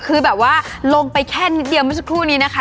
คือแบบว่าลงไปแค่นิดเดียวเมื่อสักครู่นี้นะคะ